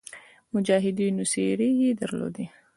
د مجاهدینو څېرې یې درلودې.